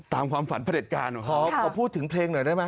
ความฝันพระเด็จการขอพูดถึงเพลงหน่อยได้ไหม